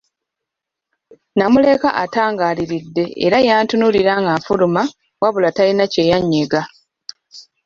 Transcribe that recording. Nnamuleka atangaaliridde era yantunuulira nga nfuluma wabula talina kye yannyega.